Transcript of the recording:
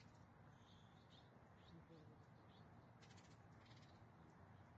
এরপর বড় পাত্রটিকে ঢাকনা দিয়ে চাপা দিয়ে দিন।